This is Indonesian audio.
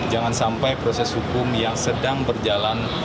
jangan sampai proses hukum yang sedang berjalan